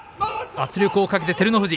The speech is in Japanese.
圧力をかけて、照ノ富士。